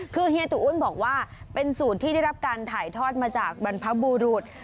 คือเฮียตุ้นบอกว่าเป็นสูตรที่ได้รับการถ่ายทอดมาจากบรรพบุรุษ